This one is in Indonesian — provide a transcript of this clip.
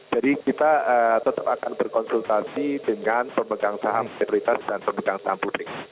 jadi kita tetap akan berkonsultasi dengan pemegang saham mayoritas dan pemegang saham publik